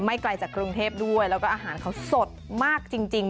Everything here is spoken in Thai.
ไกลจากกรุงเทพด้วยแล้วก็อาหารเขาสดมากจริง